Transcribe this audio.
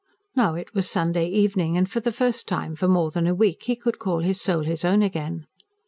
Now it was Sunday evening, and for the first time for more than a week he could call his soul his own again.